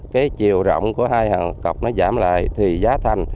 cái chiều rộng của hai hàng cọc nó giảm lại thì giá thành